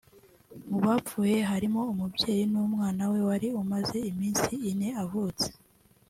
Mu bapfuye harimo umubyeyi n’umwana we wari umaze iminsi ine avutse